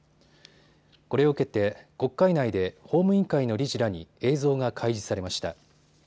これを受けて国会内で法務委員会の理事らに映像が開示されました。